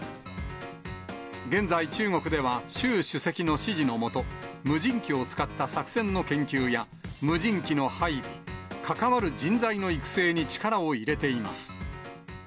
現在、中国では、習主席の指示の下、無人機を使った作戦の研究や、無人機の配備、関わる人材の育成に力を入れています。